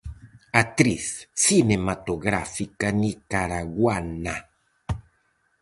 Actriz cinematográfica nicaraguana.